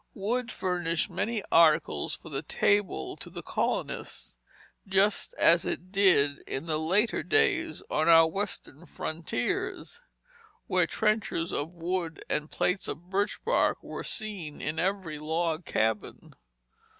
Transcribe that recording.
Wood furnished many articles for the table to the colonist, just as it did in later days on our Western frontiers, where trenchers of wood and plates of birch bark were seen in every log cabin.